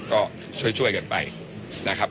ก็ช่วยกันไปนะครับ